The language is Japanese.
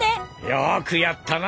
よくやったな！